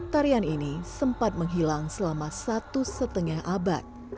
tarian ini sempat menghilang selama satu setengah abad